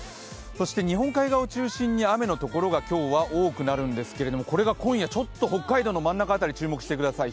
日本海側を中心に今日は雨のところが多くなるんですがこれが今夜ちょっと北海道の真ん中辺り注目してください。